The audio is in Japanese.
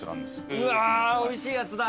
うわおいしいやつだ！